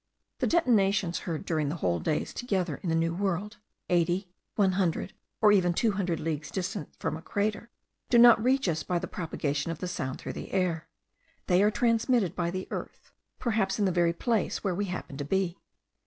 The detonations heard during whole days together in the New World, eighty, one hundred, or even two hundred leagues distant from a crater, do not reach us by the propagation of the sound through the air; they are transmitted by the earth, perhaps in the very place where we happen to be.